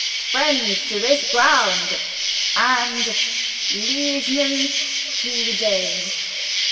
"Friends to this ground." "And liegemen to the Dane."